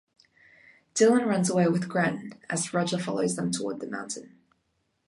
Dylan runs away with Gren as Roger follows them toward the mountain.